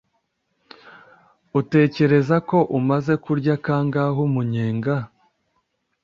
Utekereza ko umaze kurya kangahe umunyenga?